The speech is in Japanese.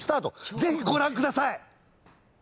ぜひご覧ください！